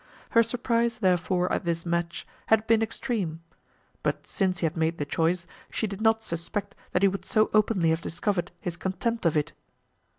Her surprise, therefore, at this match, had been extreme; but since he had made the choice, she did not suspect that he would so openly have discovered his contempt of it.